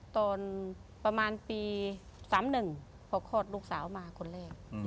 ตอนประมาณปี๓๑พอคลอดลูกสาวมาคนแรก